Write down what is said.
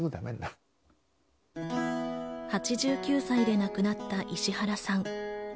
８９歳で亡くなった石原さん。